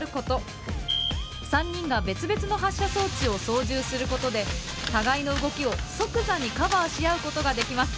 ３人が別々の発射装置を操縦することで互いの動きを即座にカバーし合うことができます。